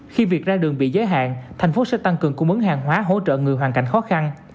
khi việc ra đường bị giới hạn thành phố sẽ tăng cường cung mứng hàng hóa hỗ trợ người hoàn cảnh khó khăn